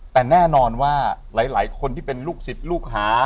แต่แน่นอนว่าหลายคนที่เป็นลูกศิษย์ลูกหา